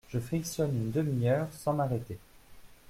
Je frictionne une demi-heure sans m’arrêter…